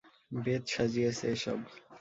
Bathe সাজিয়েছে এসব?